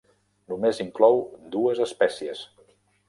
Només inclou dues espècies.